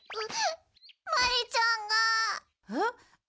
マリちゃんが。えっ？